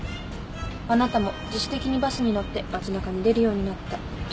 あなたも自主的にバスに乗って街中に出るようになったということですね。